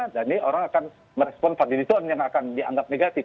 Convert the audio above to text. dan ini orang akan merespon pak dizon yang akan dianggap negatif